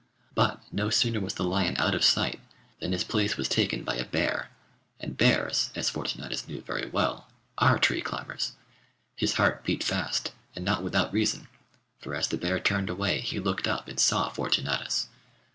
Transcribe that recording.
But no sooner was the lion out of sight, than his place was taken by a bear, and bears, as Fortunatus knew very well, are tree climbers. His heart beat fast, and not without reason, for as the bear turned away he looked up and saw Fortunatus!